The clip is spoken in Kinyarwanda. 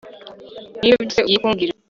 nibyo byose ugiye kumbwira